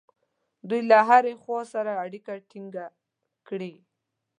دوی له هرې خوا سره اړیکه ټینګه کړي.